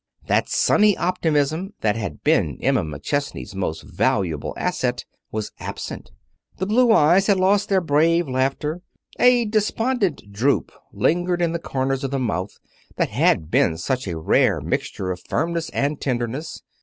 That sunny optimism that had been Emma McChesney's most valuable asset was absent. The blue eyes had lost their brave laughter. A despondent droop lingered in the corners of the mouth that had been such a rare mixture of firmness and tenderness.